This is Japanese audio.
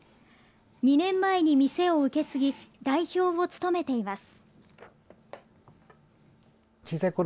２年前に店を受け継ぎ代表を務めています。